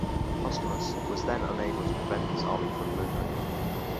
Postumus was then unable to prevent his army from murdering them.